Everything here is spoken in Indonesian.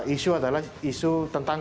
isu adalah isu tentang